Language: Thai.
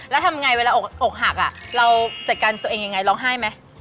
แล้วทำไงเวลาอกหักเราจัดการตัวเองยังไงร้องไห้ไหม